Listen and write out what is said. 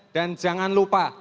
dan jangan lupa